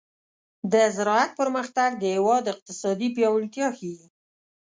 د زراعت پرمختګ د هېواد اقتصادي پیاوړتیا ښيي.